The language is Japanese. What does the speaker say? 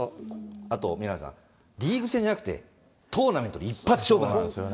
あと宮根さん、リーグ戦じゃなくて、トーナメントで一発勝負なんですよ。